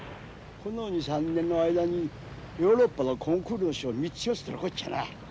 この２３年の間にヨーロッパのコンクールの賞３つ４つ取るこっちゃな。